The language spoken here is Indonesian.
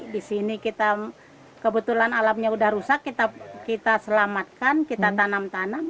di sini kita kebetulan alamnya udah rusak kita selamatkan kita tanam tanam